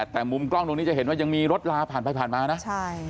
แต่มุมกล้องตรงนี้จะเห็นว่ายังมีรถราผ่านมานะ